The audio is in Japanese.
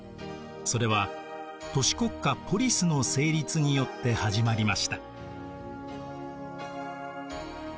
それは都市国家ポリスの成立によって始まりました。